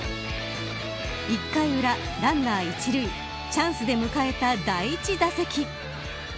１回裏ランナー１塁チャンスで迎えた第１打席。